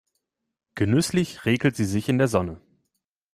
Genüsslich räkelt sie sich in der Sonne.